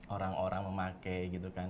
orang orang memakai gitu kan